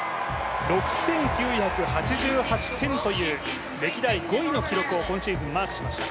６９８８点という歴代５位の記録を今シーズン、マークしました。